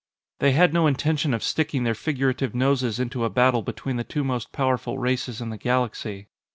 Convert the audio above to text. They had no intention of sticking their figurative noses into a battle between the two most powerful races in the galaxy.